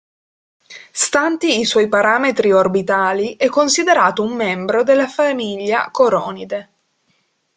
Stanti i suoi parametri orbitali, è considerato un membro della famiglia Coronide.